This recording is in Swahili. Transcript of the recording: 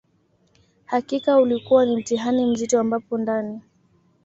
Hakika ulikua ni mtihani mzito ambapo ndani